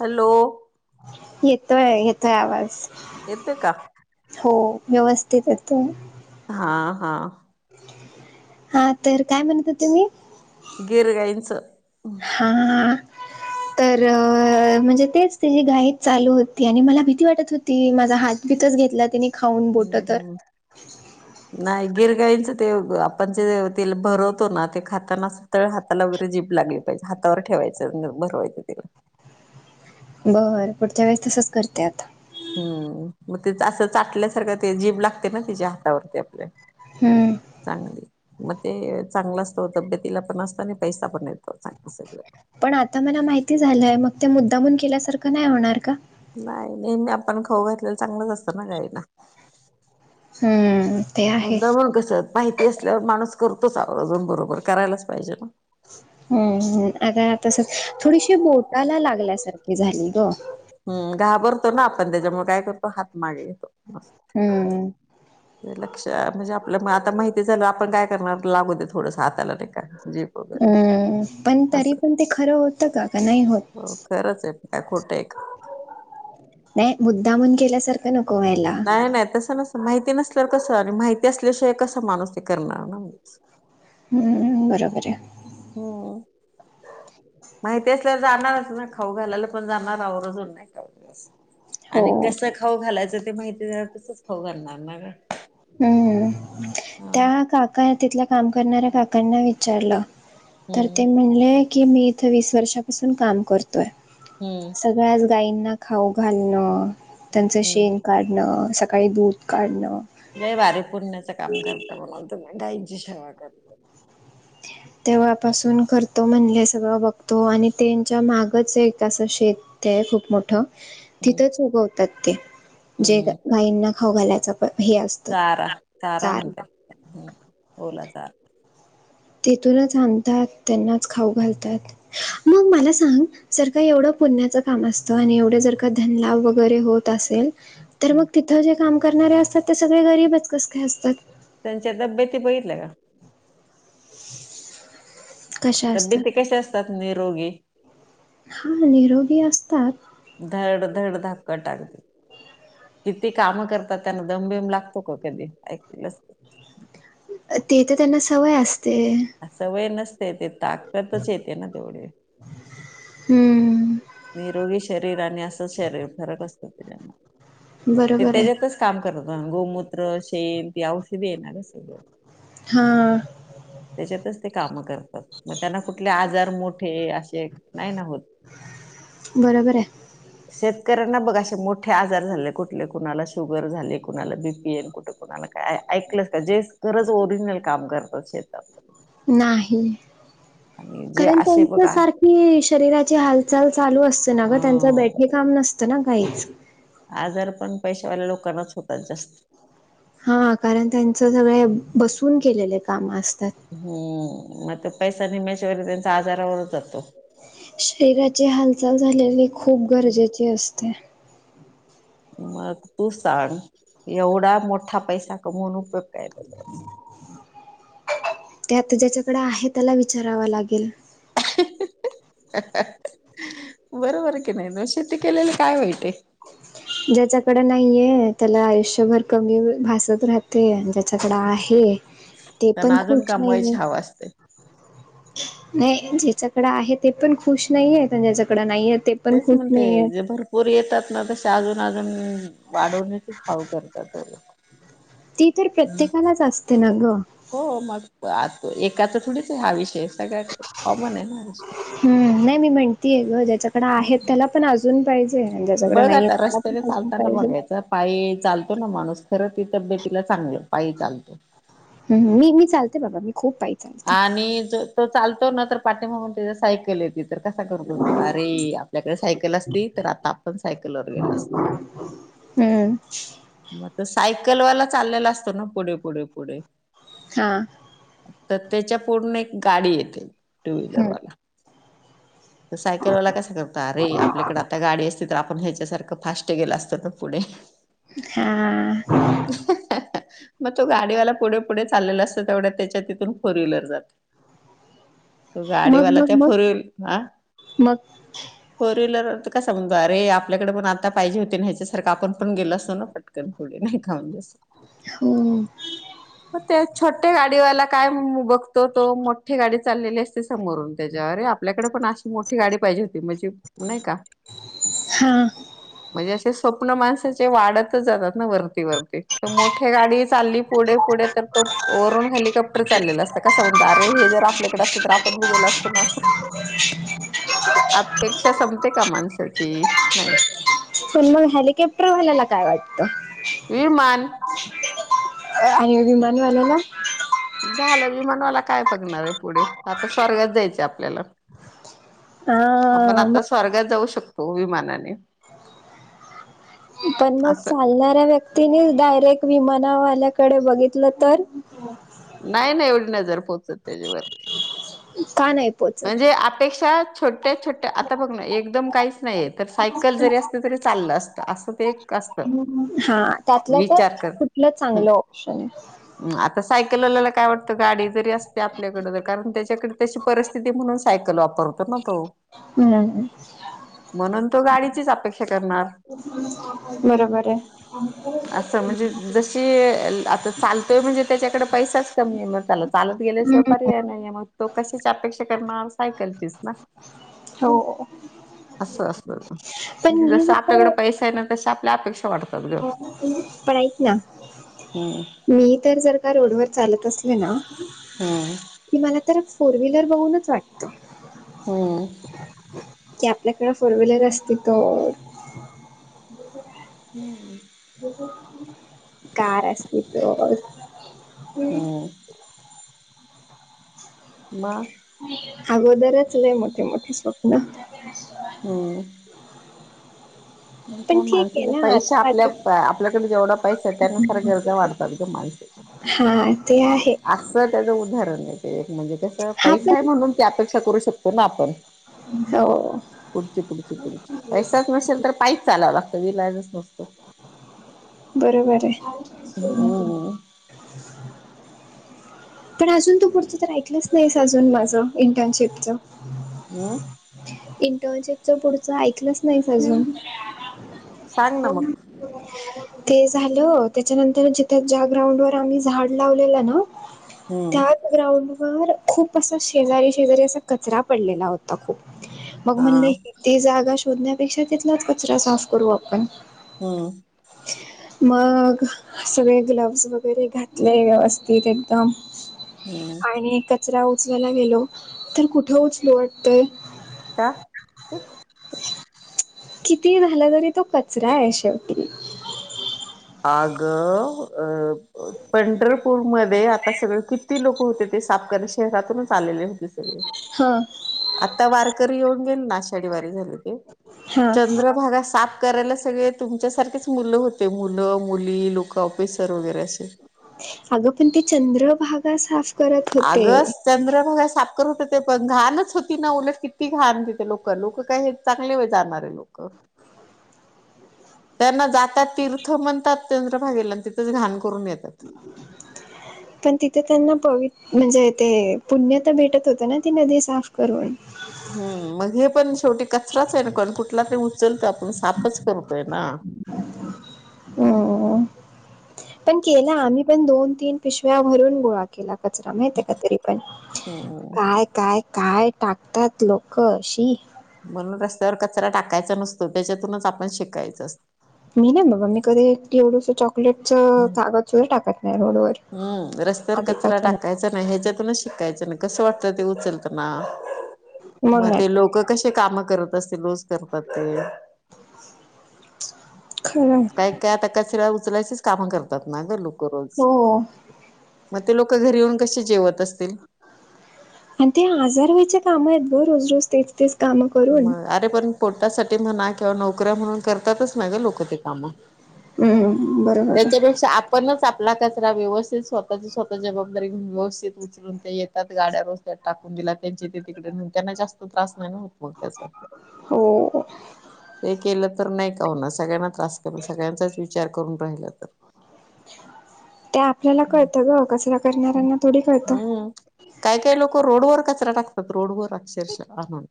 Hello येतोय येतोय आवांज येतो कां हो व्यवस्थित येतो हां हां हां तरं कायं म्हणतं होते मी गिरगाईंचं हां तरं म्हणजे तेचं तिची घाई चालूं होती आणि मलां भीती वाटतं होती ती माझां हात बीथंच घेतलां तिने खाऊन बोट हं [unintelligible] नाही गिरगांईंचं ते आपणं जे ते भरवतो नां ते खांताना तळं हातालां वगैरें जीप लागली पाहिजे हातांवर ठेवायचं भरवायचं तिलां बरं पुढच्या वेळेस तसंच करते आता. हम्म मग ते असं चाटल्यासारखं ते जीभ लागते ना तिच्या हातावरती आपल्या हम्म. चांगली मग ते चांगलं असतो तब्येतीला पण असतो आणि पैसा पण येतो चांग सगळं पण आता त्याला माहिती झालंय मग त्या मुद्दामून केल्यासारखं नाही होणार का? नाही नेहमी आपण खाऊ घातलेलं चांगलंच नसतं ना गाईला हम्म, ते आहे मुद्दामून कस? माहिती असल्यावर माणूस करतोच आवर्जून बरोबर करायलाच पाहिजे ना हम्म् आता तस थोडीशी बोटाला लागल्यासारखी झाली ग हम्म घाबरतो ना आपण त्याच्यामुळे काय करतो हात मागे घेतो. हम्म. लक्ष म्हणजे आपल्या आता माहिती झालं आपण काय करणार लागू देत हम्म पण तरी असं पण ते खरं होतं का का नाही होत? हो खरंच आहे मग काय खोट आहे का. नाही मुद्दामून केल्यासारख अस नको व्हायला. नाही नाही तसं नसत माहिती नसल्यावर कसं आणि माहिती असल्याशिवाय कसं माणूस ते करणार ना हम्म बरोबर आहे. हम्म. माहिती असल्यावर जाणारच ना खाऊ घालायला पण जाणार आवर्जुन ना [unintelligible] हो आणि कसं खाऊ घालायचं ते माहिती झा हम्म हा त्या का कारण तिथल्या काम करणाऱ्या काकांना विचारलं तर ते हम्म म्हण ले की मी इथ वीस वर्षापासून काम करतोय. हम्म. सगळ्याच गायींना खाऊ घालणं, त्यांचं हम्म शेण काढणं स काही दूध काढणं लय भारी पुण्याचं काम करता तुम्ही गाईची सेवा करत तेव्हापासून करतो म्हणले सगळं बघतो आणि त्यांच्या मागंच एक असं शेत ते खूप मोठं हम्म तिथंच उगवतात ते जे हम्म गाईंना खाऊ घालायच हे असत, चार चारा चारा चार म्हणतात ओला चारा तेथूनच आणतात त्यांनाच खाऊ घालतात मग मला सांग जर का एवढं पुण्याचं काम असतं आणि एवढे जर का धनलाभ वगैरे होत असेल तर हम्म. मग तिथं जे काम करणारे असतात ते सगळे गरीबच कस काय असतात त्यांच्या तब्येती बघितल्या का कशा असतात? तब्येती कसे असतात, निरोगी हा निरोगी असतात धड धड धाकट अगदी किती काम करतात त्यांना दमबीम लागतो का कधी ऐकलस ते तर त्यांना सवय असते. का? सवय नसते ते ताकतच येते ना तेवढी हम्म. निरोगी शरीर आणि असं शरीर फरक असत त्याच्यामधे. ते बरोबर आहे. त्याच्यातच काम करत गोमूत्र शन औषधी ये ना का सगळ हा त्याच्यातच ते कामं करतात मग त्यांना कुठले आजार मोठे असे नाही ना होत बरोबर आहे शेतकऱ्यांना बघामोठे आजार झाले कुठले कुणाला शुगर झाले कुणाला बीपी कुठे कुणाला ऐकलंस का जे खरज ओरिजिनल काम करतात श नाही आणि जे कारण असे त्यांच्या बघा सारखी शरीराची हालचाल चालू असते ना ग त्यां हो बैठे काम नसतं ना काईच आजार पण पैशावाल्या लोकांनाच होतात जास्त हा कारण त्यांच सगळे बसून केलेले काम असतात, हॊ म पैसा निमेशे व त्यांचा आजारावरत जातो. शरीराची हालचाल झालेली खूप गरजेचे असते. मग तू सांग एवढा मोठा पैसा कमवून उपयोग काय त्याचा त्या आता ज्याच्याकडे आहे त्याला विचारावा लागेल, बरोबर कि नाही न शेती केलेली काय वाईट आहे, ज्याच्याकडे नाहीये त्याला आयुष्यभर कमी भासत राहत ते ज्याच्याकड आहे ते त्यांना पण अजून खूच नाही आहे, कमवायची हवा असते. नाही ज्याच्याकडं आहे ते पण खुश नाहीे ज्याच्याकड नाहीे ते पण तेसे खुश म्हणते नाहीयेत. जे भरपूर येतात ना तसे अजून, अजून वाढवण्याचेच हाव करतातो. ती तर प्रत्येकालाच असते ना ग हो मग आ एकाच थोडीच आहे हा विषय सगळ्यात कॉमन आहे ह विषय हम्म नाही मी म्हणतीे ग ज्याच्याकड आहेत त्याला पण अजून पाहिजे ज्याच्याकडे बघ नाहीये आता त्याला रस्त्याने पण अजून चालताना पाहिजे बघायचा पायी चालतो ना माणूस खरं त तब्येतीला चांगलं पायी चालतो. ह मी मी चालते बाबा मी खूप पाहि आणि जो तो चालतो ना तर पाठीमागून त्याच्या सायकल येत मी तर कसा करून करतो अरे आपल्याकडे सायकल असते तर आता आपण सायकल वर गेल असतो हम्म तर सायकलवाला चाललेला असतो ना पुढे, पुढे, पुढे हा तर त्याच्या पूडन एक गाडी येते टू हं, व्हीलरवाला सायकलवाला कसा करत अरे आपल्याकडे आता गाडी असते त तर आपण ह्याच्यासारखं फास्ट गेलं असतो ना पुढे हा मग तो गाडीवाला पुढे पुढे चाललेला असतो तेवढ्या त्याच्याति फोर व्हीलर जात त मग गाडीवाला मग त्या मग ओरल हा मग फोर व्हीलर तर कस म्हणतो अरे आपल्याकडे पण आता पाहिजे होते नाही्याच्यासारखं आपण पण गेलो असत पटकन थोडी नाही खाऊन जास [unintelligible] हो मग ते छोट्या गाडीवाला म्हणूनकाय बघतो तो मोठठी गाडी चाललेली असते समोरून त्याच्यावर आपल्याकडे पण अशी मोठी गाडी पाहिजे होती म्हणजे नाही का हां, म्हणजे असे स्वप्न माणसाचे वाढतच जातात ना वरती- वरती. त मोठ्या गाडी चालली पुढे-पुढे तर तो वरून हेलिकॉप्टर चाललेलं असतं कसा म्हणतो, अरे हे जर आपल्याकडे असतं तर आपण बी गेला असतो ना आसं. म्हणजे अपेक्षा संपते का माणसाची, नाही. पण म हेलीकॉप्टर वाल्याला काय वाटतं? विमान आणि विमान वाल्याला? झालं विमान वाला काय बघणार आहे पुढे, आता स्वर्गात जायचे आपल्याला. आपण हां, आता स्वर्गात जाऊ शकतो विमानाने. पण मग असं चालणाऱ्या व्यक् व्यक्तीने डायरेक्ट विमाना वाल्याकडे बघितलं तर नाही -नाही एवढी नजर पोहोचतं त्याच्या वर. का नाही? पोहोचत? म्हणजे अपेक्षा छोट्या- छोट्या आता बघ ना एकदम काहीच नाहीये, तर सायकल जरी अस तरी चाललं असतं, आसं. ते एक असतं, हां, त्यातल्या विचार त्यात कर कुठलं हं. चांगलं ऑप्शन आहे? आता सायकलवाल्याला काय वाटतं, गाडी जरी असती आपल्याकडं तर कारण त्याच्याकडे तशी परस स्थिती म्हणून सायकल वापरतो ना तो. हं, म्हणून तो गाडीचीच अपेक्षा करणार. बरोबर ये. असं म्हणजे जशी आता चालतोय म्हणजे त्याच्याकडे पैसाच कमी ये म त्यालाच चालत गेल्या शिवाय हं, पर्याय नाहीये, मग तो कशाची अपेक्षा सायकलचीच ना. हो, असं असंत पण मी जसं जर आपल्याकडे का पैसा आहे, ना तशा आपल्या अपेक्षा वाढतात गं. पडायच ना [unintelligible] हम्म, मी तर जर का रोडवर चालतं असले ना हं, कि मला तर फोर व्हीलर बघूनच वाटतं हम्म, कि आपल्याकडं फोर व्हीलर असती तर हम्म, कार असते तर हम्म मग अगोदरच लैय मोठी -मोठीे स्वप्न. हम्म, पण ठीक आहे मालकिचा ना आता पैसा आपल्या, माझं आपल्याकडे जेवढा पैसा त्यानुसार गरजा वाढतात का माणसाचे हा ते आहे असं. त्याच उदाहरण आहे ते म्हणजे कस हा पैसा आहे, पण म्हणून त अपेक्षा करू ना आपण. हो पुढची, पुढची, पुढची पैसाच नसेल तर पायीचं चालावं लागतं विलाजच नसतो. बरोबर आहे हम्म, पण अजून तू पुढचं तर ऐकलंच नाहीस, अजून माझं इंटर्नशिपच. अं, इंटर्नशिपच पुढचं ऐकलंच नाही अजून सांग ना मग ते झालं, त्याच्यानंतर जिथे ज्या ग्राउंड वर आम्ही झाड लावलेलं ना हम्म त्या ग्राउंड वर खूप असा शेजारी -शेजारी असा कचरा पडलेला होता खूप. मग हा म्हणले कि ते जागा शोधण्यापेक्षा तिथंलाच कचरा साफ करू आपण. हा. मग सगळे ग्लव्ज वगैरे घातले व्यवस्थित एकदम हम्म आणि कचरा उचलायला गेलो तर कुठलं उचलू वाटतयं. का? कितीही झालं तरी तो कचरा आहे शेवटी. आगं पंढरपूरमध्ये आता सगळं कि ती लोकं होते ते साफ कर शहरातूनच आलेले होते. हा. आत्ता वारकरी येऊन गेले ना आषाढी वारी झाली ते हा चंद्रभागा साफ करायला सगळे तुमच्यासारखेच मुलं होते, मुलं, मुली, लोक, ऑफिसर वगैरे असे. अगं पण ते चंद्रभागा साफ करत आगस् होते. चंद्रभागा साफ कर होते ते पण घाणच होती ना उलट किती घाण तिथं लोकं, लोकं काय चांगले वेळ जाणारे लोक. [inaudible] त्यांना जातात तीर्थ म्हणतात चंद्रभागेला आणि तिथंच घाण करून येतात. [inaudible] पण तिथे त्यांना पवि.. म्हणजे ते पुण्य तर भेटत होत ना ती नदी साफ करून. हम् मग हे पण शेवटी कचराच आहे ना कोण कुठला तरी उचलतो आपण साफचं करतोय ना. [inaudible] अ पण केलं आम्ही पण दोन तीन पिशव्या भरून गोळा केला कचरा माहित का तरी पण, हम्म काय काय काय टाकतात लोकं शी. म्हणून रस्त्यावर कचरा टाकायचा नसतो त्याच्यातूनच आपण शिकायचं असत. मी नाही बाबा मी कधी एवढसं चॉकलेटच कागद सुधा टाकत नाही रोडवर. हम्म रस्त्यावर कचरा आधीपासून टाकायचा नाही ह्याच्यातूनच शिकायचं अन् कसं वाटतं ते उचलताना. मग ते लोक कसे कामं करत असतील रोज करतात ते. खरं‌य. काय काय आता कचरा उचलायचीच कामं करतात ना गं लोकं रोज. हो मग ते लोकं घरी येऊन कशी जेवत असतील? आणि ते आजार व्हायचे काम आहेत गं रोज रोज तेच तेच कामं करून. नाही पण पोटासाठी म्हणा किंवा नोकऱ्या म्हणून करतातच ना गं लोक ते कामं. हम्म बरोबर आहे त्याच्यापेक्षा आ पणच आपला कचरा व्यवस्थित स्वतःची स्वतः जबाबदारी घेऊन व्यवस्थित उचलून ते येतात गाड्यावर टाकून दिला त्यांचे ते तिकडे नेऊन त्यांना जास्त त्रास नाही होत मग त्याचा. हो. ते केलं तर नाही का होणार सगळ्यांना त्रास करून सगळ्यांचाच विचार करून राहील तर. ते आपल्याला कळतं गं, कचरा करणाऱ्यांना थोडी कळतं. हम्म. काय काय लोकं रोडवर कचरा टाकतात रोडवर अक्षरशः आणून.